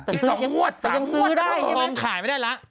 อีก๒หวัดต่างหวัดต่างยังสื้อได้อย่างนี้มั้ยจำขายไม่ได้ละ